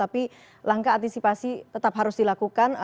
tapi langkah antisipasi tetap harus dilakukan